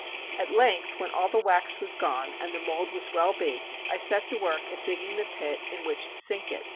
At length when all the wax was gone and the mold was well baked, I set to work at digging the pit in which to sink it.